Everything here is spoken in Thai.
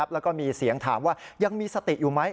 แล้วก็มีเสียงถามว่ายังมีสติอยู่ไหม